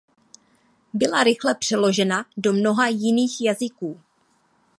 Byla rychle přeložena do mnoha jiných jazyků.